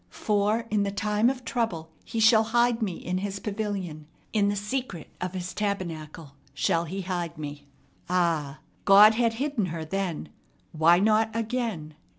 "For in the time of trouble he shall hide me in his pavilion; in the secret of his tabernacle shall he hide me." Ah! God had hidden her then. Why not again?